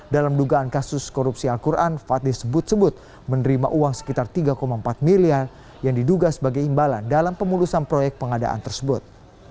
dalam dugaan kasus korupsi al quran fad disebut sebut menerima uang sekitar tiga empat miliar yang diduga sebagai imbalan dalam pemulusan proyek pengadaan tersebut